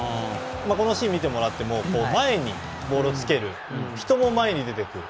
今のシーンを見てもらっても前にボールをつける人も前に出てくる。